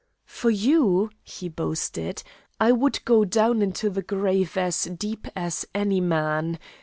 "For you," he boasted, "I would go down into the grave as deep as any man.